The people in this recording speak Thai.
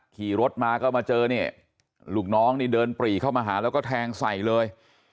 ขี่รถมาก็มาเจอเนี่ยลูกน้องนี่เดินปรีเข้ามาหาแล้วก็แทงใส่เลย